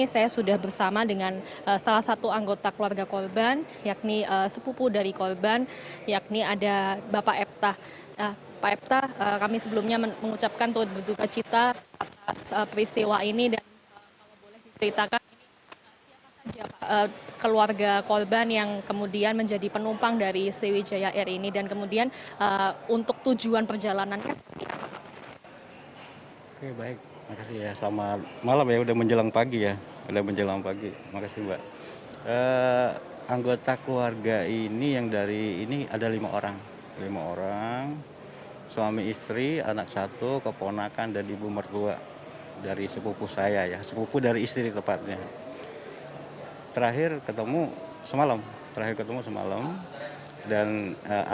saya sudah bersama dengan salah satu anggota keluarga korban yakni sepupu dari korban yakni ada bapak epta